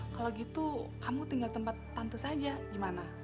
kalau gitu kamu tinggal tempat tante saja gimana